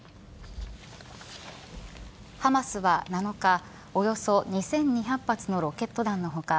ハマスは７日およそ２２００発のロケット弾の他